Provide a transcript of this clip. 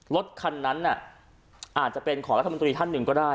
รถคันนั้นอาจจะเป็นของรัฐมนตรีท่านหนึ่งก็ได้